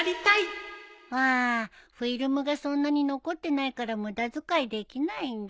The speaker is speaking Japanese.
あフィルムがそんなに残ってないから無駄遣いできないんだ。